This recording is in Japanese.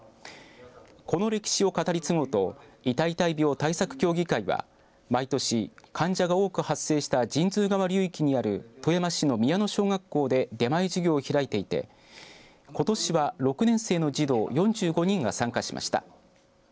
この歴史を語り継ごうとイタイイタイ病対策協議会は毎年患者が多く発生した神通川流域にある富山市の宮野小学校で出前授業を開いていて、ことしは６年生の児童４５人が参加しました。